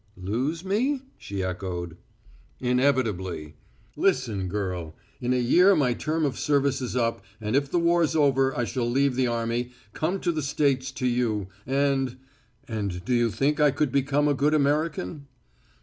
"Lose me?" she echoed. "Inevitably. Listen, girl! In a year my term of service is up, and if the war's over I shall leave the army, come to the States to you, and and do you think I could become a good American?"